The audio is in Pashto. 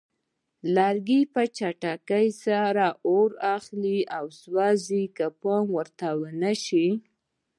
لرګي په چټکۍ سره اور اخلي او سوځي که پام ورته ونه شي.